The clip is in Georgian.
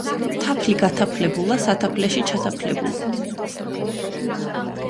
თაფლი გათაფლებულა სათაფლეში ჩათაფლებულა